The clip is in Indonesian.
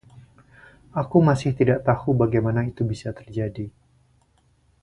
Aku masih tidak tahu bagaimana itu bisa terjadi.